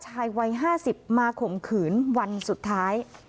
ชายวัย๕๐มาข่มขืนวันสุดท้าย